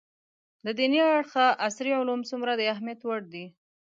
له دیني اړخه عصري علوم څومره د اهمیت وړ دي